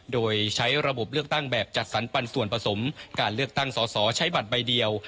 โดยใช้ระบบเลือกตั้งแบบจัดสรรปันส่วนผสมการเลือกตั้งสอสอใช้บัตรใบเดียว